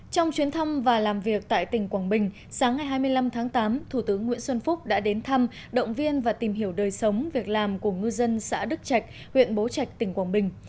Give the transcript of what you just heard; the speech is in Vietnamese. trong chuyến thăm và làm việc tại tỉnh quảng bình sáng ngày hai mươi năm tháng tám thủ tướng nguyễn xuân phúc đã đến thăm động viên và tìm hiểu đời sống việc làm của ngư dân xã đức trạch huyện bố trạch tỉnh quảng bình